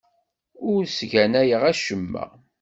Ur ssganayeɣ acemma.